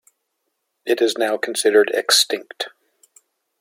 It is now considered extinct.